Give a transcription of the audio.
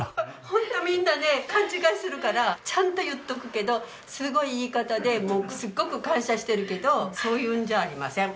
ホントみんなね勘違いするからちゃんと言っとくけどすごいいい方でもうすっごく感謝してるけどそういうのじゃありません。